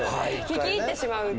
聞き入ってしまう。